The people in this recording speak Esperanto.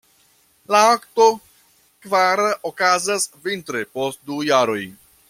La akto kvara okazas vintre post du jaroj.